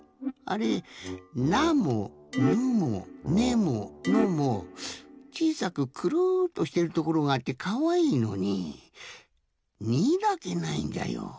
あれ「な」も「ぬ」も「ね」も「の」もちいさくくるっとしてるところがあってかわいいのに「に」だけないんじゃよ。